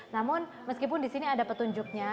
namun meskipun di sini ada petunjuknya